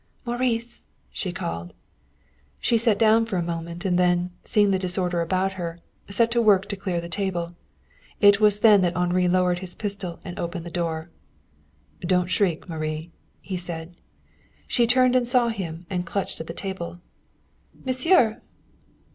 "Maurice!" she called. She sat down for a moment, and then, seeing the disorder about her, set to work to clear the table. It was then that Henri lowered his pistol and opened the door. "Don't shriek, Marie," he said. She turned and saw him, and clutched at the table. "Monsieur!"